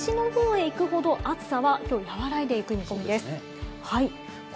一方で西の方へ行くほど暑さは今日、和らいでいく見込みです。